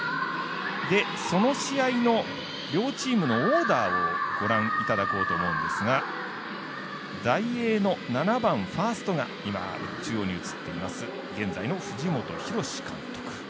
その試合の両チームのオーダーをご覧いただこうと思うんですがダイエーの７番ファーストが現在の藤本博史監督。